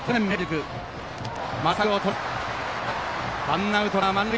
ノーアウト満塁！